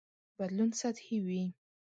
بدلون سطحي وي.